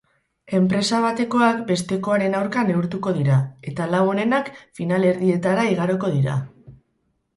Enpresa batekoak bestekoaren aurka neurtuko dira eta lau onenak finalerdietara igaroko dira.